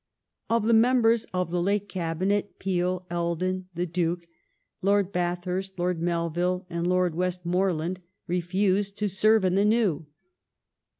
Of the membei s of the late Cabinet, Peel, Eldon, the Duke, Lord Bathui st, Lord Melville, and I^ord Westmorland refused to serve in the new.